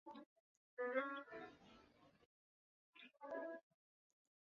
为今马偕医院的前身。